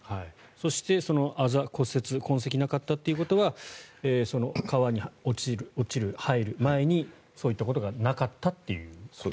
そしてそのあざ、骨折痕跡がなかったということは川に落ちる、入る前にそういったことがなかったという。